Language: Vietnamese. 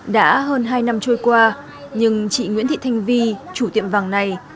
đã hơn hai năm trôi qua nhưng chị nguyễn thị thanh vi chủ tiệm vàng này